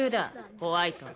ホワイト